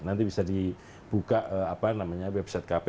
nanti bisa dibuka apa namanya website kp